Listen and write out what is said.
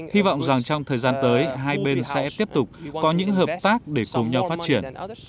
hy vọng rằng trong thời gian tới hai bên sẽ tiếp tục có những hợp tác để cùng nhau phát triển